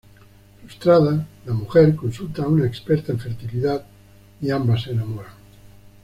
Frustrada, la mujer consulta a una experta en fertilidad y ambas se enamoran.